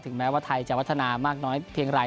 แม้ว่าไทยจะพัฒนามากน้อยเพียงไร